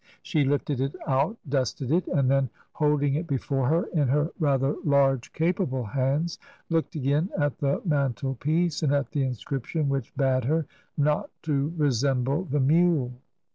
She lifted it out, dusted it, and then, holding it before her in her rather large, capable hands, looked again at the mantle piece and at the inscription which bade her not to resemble the mule.